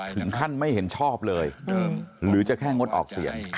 ถึงขั้นไม่เห็นชอบเลยหรือจะแค่งดออกเสียง